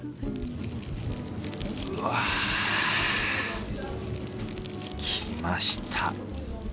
うわぁきました。